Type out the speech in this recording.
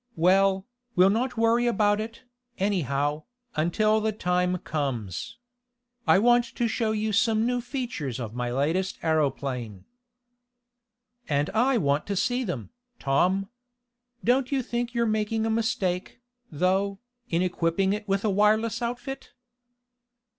Well, we'll not worry about it, anyhow, until the time comes. I want to show you some new features of my latest aeroplane." "And I want to see them, Tom. Don't you think you're making a mistake, though, in equipping it with a wireless outfit?"